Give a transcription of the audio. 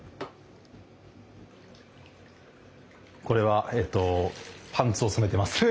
これはえっとパンツを染めてます。